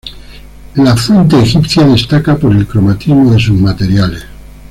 La Fuente Egipcia destaca por el cromatismo de sus materiales.